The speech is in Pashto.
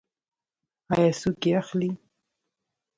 آیا څوک یې اخلي؟